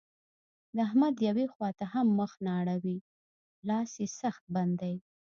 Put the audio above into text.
د احمد يوې خوا ته هم مخ نه اوړي؛ لاس يې سخت بند دی.